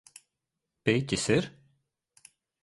Piķis ir?